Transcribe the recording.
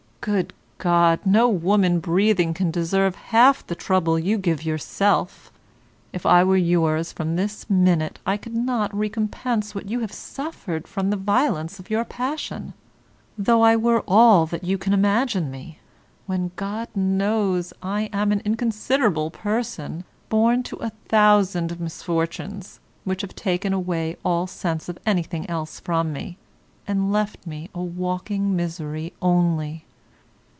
Good God! no woman breathing can deserve half the trouble you give yourself. If I were yours from this minute I could not recompense what you have suffered from the violence of your passion, though I were all that you can imagine me, when, God knows, I am an inconsiderable person, born to a thousand misfortunes, which have taken away all sense of anything else from me, and left me a walking misery only.